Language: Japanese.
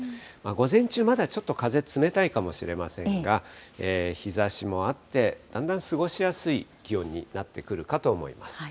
午前中、まだちょっと風冷たいかもしれませんが、日ざしもあって、だんだん過ごしやすい気温になってくるかと思います。